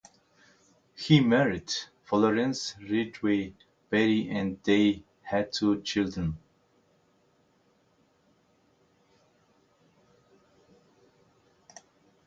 He married Florence Ridgway Berry and they had two children.